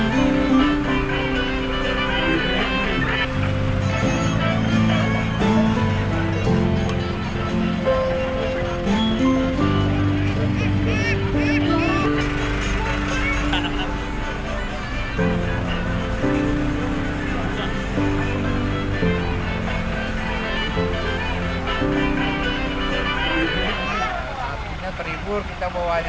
harapannya apa nih